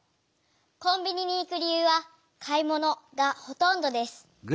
コンビニに行く理由は「買いもの」がほとんどです。